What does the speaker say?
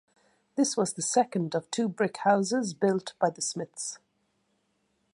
This was the second of two brick houses built by the Smiths.